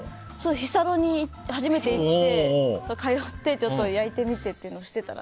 日サロに初めて行って通ってちょっと焼いてみてっていうのをしていたら。